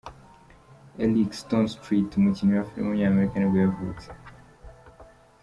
Eric Stonestreet, umukinnyi wa filime w’umunyamerika nibwo yavutse.